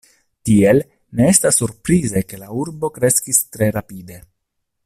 Tiel, ne estas surprize ke la urbo kreskis tre rapide.